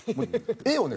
絵をね